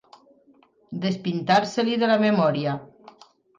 Despintar-se-li de la memòria.